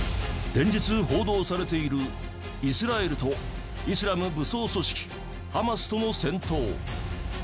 連日報道されているイスラエルとイスラム武装組織ハマスとの戦闘。